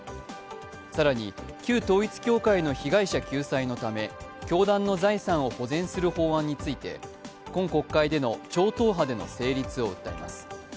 更に旧統一教会の被害者救済のため教団の財産を保全する法案について今国会での超党派での成立を訴えます。